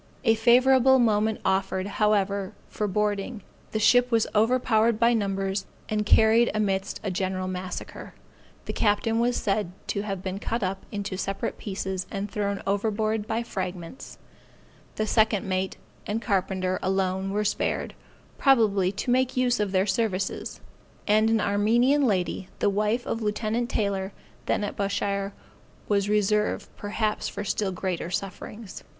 A favorable moment offered, however, for boarding; the ship was overpowered by numbers, and carried amidst a general massacre. The captain was said to have been cut up into separate pieces, and thrown overboard by fragments; the second mate and carpenter alone were spared, probably to make use of their services; and an Armenian lady, the wife of Lieut. Taylor, then at Bushire, was reserved perhaps for still greater sufferings.